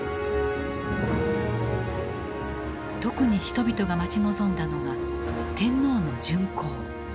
特に人々が待ち望んだのが天皇の巡幸。